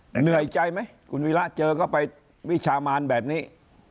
เหนื่อยใจไหมคุณวีระเจอก็ไปวิชามานแบบนี้